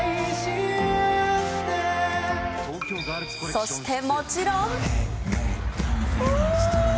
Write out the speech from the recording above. そして、もちろん。